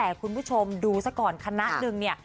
แต่คุณผู้ชมดูซะก่อนคณะหนึ่งเนี่ย